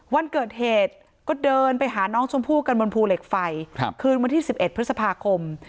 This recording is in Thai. วันเกิดเหตุก็เดินไปหาน้องชมพู่กันบนภูเหล็กไฟคืนวันที่๑๑พฤษภาคม